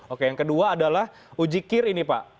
oke yang kedua adalah uji kir ini pak